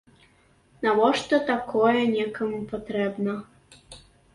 Навошта такое некаму патрэбна?